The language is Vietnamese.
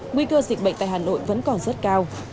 nguy cơ dịch bệnh tại hà nội vẫn còn rất cao